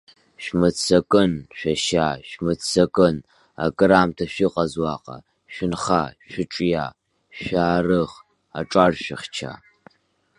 Шәмыццакын, шәашьа, шәмыццакын, акыраамҭа шәыҟаз уаҟа, шәынха, шәыҿиа, шәаарых, аҿар шәыхьча.